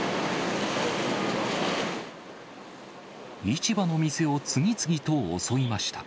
市場の店を次々と襲いました。